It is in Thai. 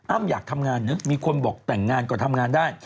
อยากทำงานเนอะมีคนบอกแต่งงานก็ทำงานได้